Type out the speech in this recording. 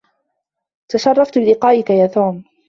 تشرّفت بلقائك يا توم.